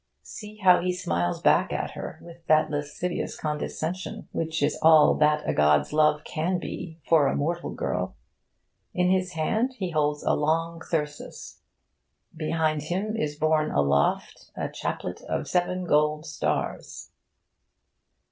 See how he smiles back at her with that lascivious condescension which is all that a god's love can be for a mortal girl! In his hand he holds a long thyrsus. Behind him is borne aloft a chaplet of seven gold stars.